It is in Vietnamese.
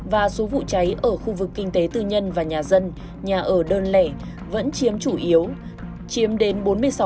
và số vụ cháy ở khu vực kinh tế tư nhân và nhà dân nhà ở đơn lẻ vẫn chiếm chủ yếu chiếm đến bốn mươi sáu